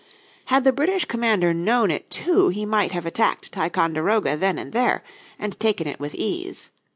Had the British commander known it too he might have attacked Ticonderoga then and there, and taken it with ease.